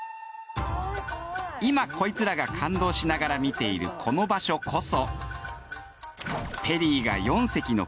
今こいつらが感動しながら見ているこの場所こそ。